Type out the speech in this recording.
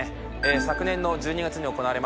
昨年の１２月に行われました